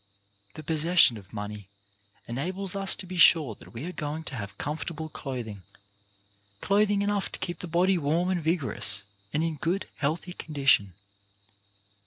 The possession of money enables us to be sure that we are going to have comfortable clothing, clothing enough to keep the body warm and vigorous, and in good, healthy condition.